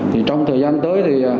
trong thời gian tới